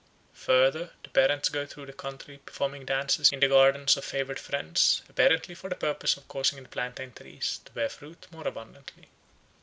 Further, the parents go through the country performing dances in the gardens of favoured friends, apparently for the purpose of causing the plantain trees to bear fruit more abundantly.